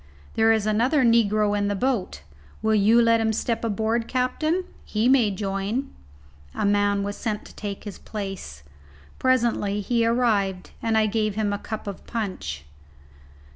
There is another negro in the boat. Will you let him step aboard, captain? He may join." A man was sent to take his place. Presently he arrived, and I gave him a cup of punch.